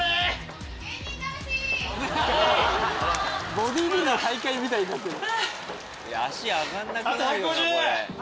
ボディービルの大会みたいになってる！